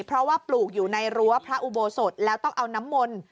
เพราะว่าปลูกอยู่ในรั้วพระอุโบสถแล้วต้องเอาน้ำมนต์